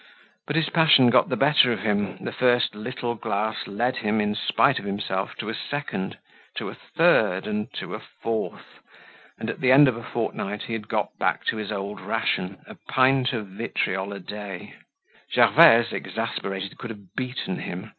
But his passion got the better of him; the first little glass led him, in spite of himself, to a second, to a third and to a fourth, and at the end of a fortnight, he had got back to his old ration, a pint of vitriol a day. Gervaise, exasperated, could have beaten him.